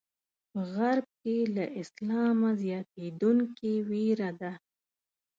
په غرب کې له اسلامه زیاتېدونکې وېره ده.